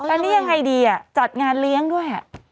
อันนี้ยังไงดีจัดงานเลี้ยงด้วย